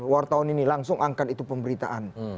war tahun ini langsung angkat itu pemberitaan